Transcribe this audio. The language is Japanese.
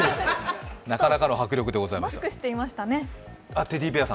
なかなかの迫力でございました。